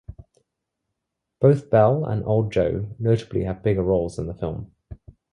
Both Belle and Old Joe notably have bigger roles in the film.